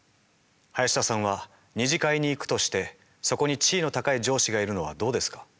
林田さんは二次会に行くとしてそこに地位の高い上司がいるのはどうですか？